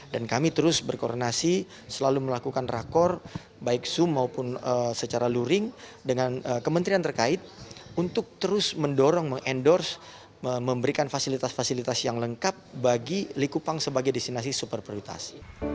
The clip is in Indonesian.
dan kami terus berkoordinasi selalu melakukan rakor baik zoom maupun secara luring dengan kementerian terkait untuk terus mendorong mengendorse memberikan fasilitas fasilitas yang lengkap bagi likupang sebagai destinasi super prioritas